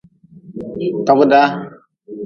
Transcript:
Togdaa.